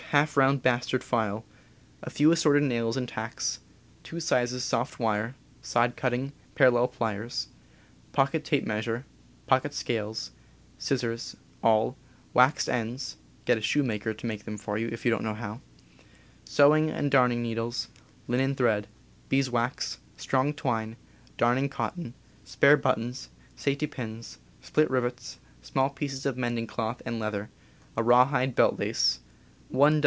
half round bastard file, a few assorted nails and tacks, two sizes soft wire, side cutting parallel pliers, pocket tape measure, pocket scales, scissors, awl, waxed ends (get a shoemaker to make them for you if you don't know how), sewing and darn ing needles, linen thread, beeswax, strong twine, darning cotton, spare buttons, safety pins, split rivets, small pieces of mending cloth and leather, a rawhide belt lace, 1 doz.